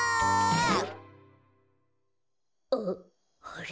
あっあれ？